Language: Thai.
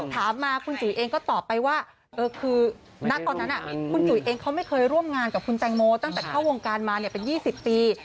ถามมาคุณจุ๋ยเองก็ตอบไปว่าคือณตอนนั้นคุณจุ๋ยเองเขาไม่เคยร่วมงานกับคุณแตงโมตั้งแต่เข้าวงการมาเป็น๒๐ปี